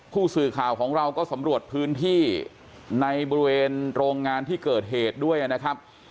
ผู้สื่อข่าวของเราก็สำรวจพื้นที่ในบริเวณโรงงานที่เกิดเหตุด้วยนะครับ